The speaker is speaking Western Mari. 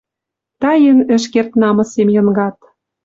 Таен ӹш керд намысем Йынгат...